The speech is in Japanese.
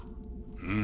うん。